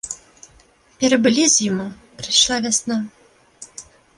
Перабылі зіму, прыйшла вясна.